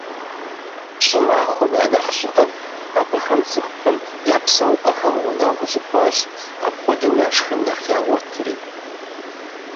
ЩӀымахуэм я нэхъ щӀыӀэм абыхэм цӀыхухэм я псэупӀэхэм гъунэгъу зыхуащӀ, апхуэдэу яшхын нэхъ ягъуэтри.